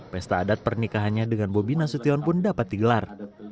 pesta adat pernikahannya dengan bobi nasution pun dapat digelar